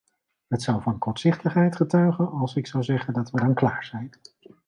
Het zou van kortzichtigheid getuigen als ik zou zeggen dat we dan klaar zijn.